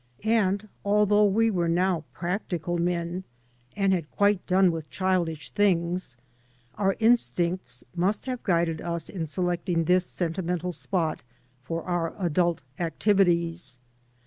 And although we were now practical men and quite done with childish things, our instincts must have guided us in selecting this senti mental spot for our adult activities.